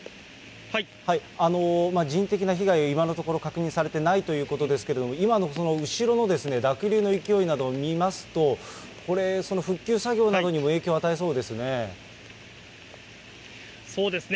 人的な被害、今のところ確認されてないということですけど、今の後ろの濁流の勢いなどを見ますと、復旧作業などにも影響を与えそうですね。